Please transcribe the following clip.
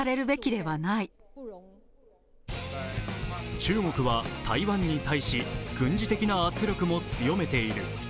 中国は台湾に対し、軍事的な圧力も強めている。